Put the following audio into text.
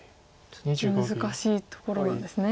ちょっと難しいところなんですね。